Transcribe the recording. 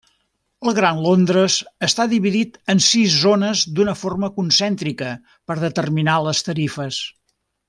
El Gran Londres està dividit en sis zones d'una forma concèntrica per determinar les tarifes.